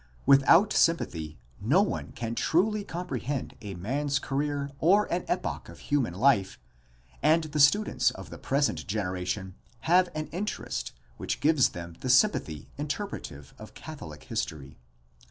Without sympathy no one can truly comprehend a man's career or an epoch of human life, and the students of the present generation have an interest which gives them the sympathy interpretive of Catholic history.